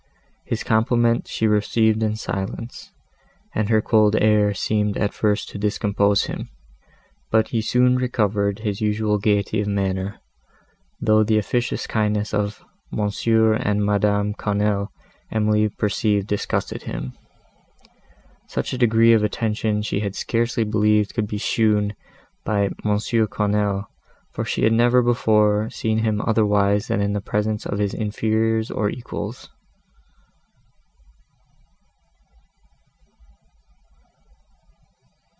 His compliments she received in silence, and her cold air seemed at first to discompose him; but he soon recovered his usual gaiety of manner, though the officious kindness of M. and Madame Quesnel Emily perceived disgusted him. Such a degree of attention she had scarcely believed could be shown by M. Quesnel, for she had never before seen him otherwise than in the presence of his inferiors or equals.